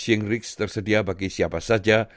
shingrix tersedia bagi siapa saja